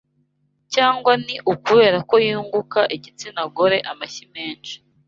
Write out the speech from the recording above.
cyangwa ni ukubera ko yunguka igitsina gore amashyi menshi